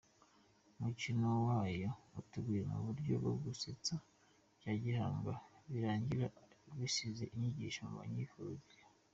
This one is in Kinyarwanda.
Umukino wayo uteguye mu buryo bwo gusetsa bya gihanga birangira bisize inyigisho mu bayikurikiye.